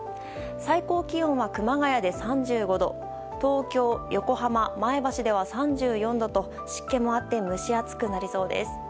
最高気温は熊谷で３５度東京、横浜、前橋では３４度と湿気もあって蒸し暑くなりそうです。